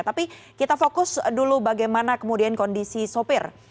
tapi kita fokus dulu bagaimana kemudian kondisi sopir